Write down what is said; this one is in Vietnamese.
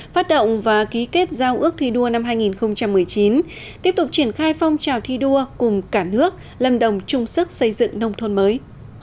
phát động và ký kết giao ước thi đua năm hai nghìn một mươi chín tiếp tục triển khai phong trào thi đua cùng cả nước lâm đồng chung sức xây dựng nông thôn mới